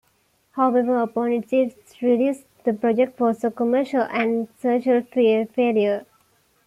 However, upon its release, the project was a commercial and critical failure.